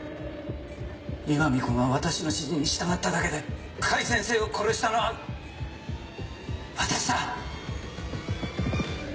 石見君は私の指示に従っただけで甲斐先生を殺したのは私だ！